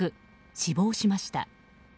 死亡しました。